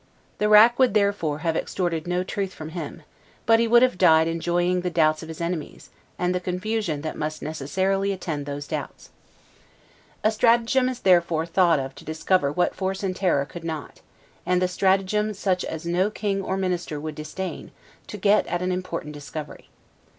The rack would, therefore, have extorted no truth from him; but he would have died enjoying the doubts of his enemies, and the confusion that must necessarily attend those doubts. A stratagem is therefore thought of to discover what force and terror could not, and the stratagem such as no king or minister would disdain, to get at an important discovery.